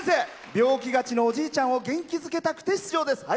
病気がちのおじいちゃんを元気づけたくて出場です。